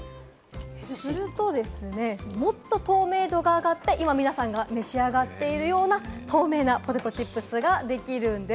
するとですね、もっと透明度が上がって今、皆さんが召し上がっているような透明なポテトチップスができるんです。